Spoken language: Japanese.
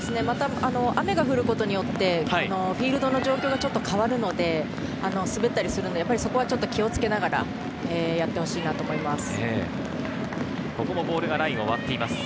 雨が降ることによってフィールドの状況が変わるので、滑ったりするので、そこは気をつけながらやってほしいと思います。